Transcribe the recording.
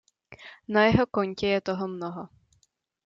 Na jeho kontě je toho mnoho.